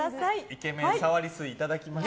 イケメン触り水いただきます。